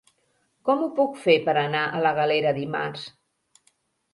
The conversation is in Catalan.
Com ho puc fer per anar a la Galera dimarts?